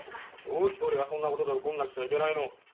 どうして俺がそんなことで怒んなくちゃいけないの。